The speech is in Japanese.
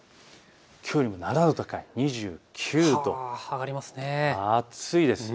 きょうよりも７度高い２９度、暑いです。